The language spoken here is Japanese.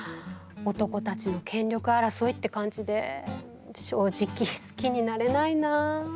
男たちの権力争いって感じで正直好きになれないなあ。